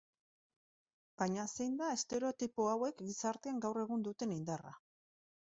Baina, zein da estereotipo hauek gizartean gaur egun duten indarra?